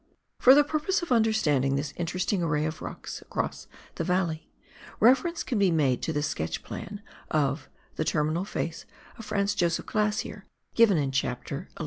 For the purpose of understanding this interesting array of rocks across the valley, reference can be made to the sketch plan of the " Terminal face of the Franz Josef Glacier,'' given in Chapter XI.